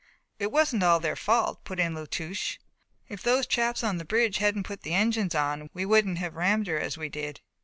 "It wasn't all their fault," put in La Touche. "If those chaps on the bridge hadn't put the engines on we wouldn't have rammed her as we did."